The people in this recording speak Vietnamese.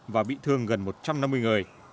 và bị thương gần một trăm năm mươi người